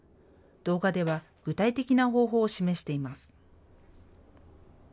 動画では、具体的な方法を示しています。